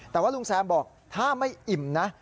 แต่ว่าลุงแซมบอกถ้าไม่อิ่มนะ